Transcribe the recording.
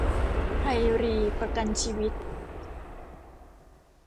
ไทยรีประกันชีวิต